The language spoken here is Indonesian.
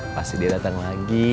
pasti dia datang lagi